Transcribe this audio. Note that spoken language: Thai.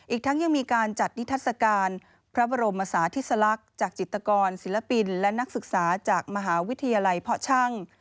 อีกทั้งยังมีการจัดนิทัศกาลพระบรมศาธิสลักษณ์จากจิตกรศิลปินและนักศึกษาจากมหาวิทยาลัยเพาะช่าง